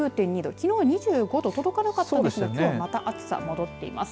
きのう２５度届かなかった所もきょうはまた暑さ戻っています。